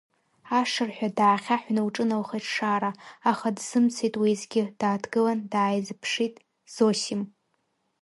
Ашырҳәа даахьаҳәны лҿыналхеит Шара, аха дзымцеит уеизгьы, дааҭгылан, дааизыԥшит Зосим.